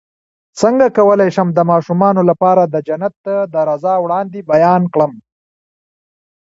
څنګه کولی شم د ماشومانو لپاره د جنت د رضا وړاندې بیان کړم